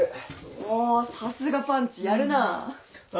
おさすがパンチやるなあ。